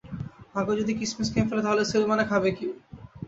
ভাগ্য যদি কিসমিস খেয়ে ফেলে তাহলে সুলেমান কী খাবে!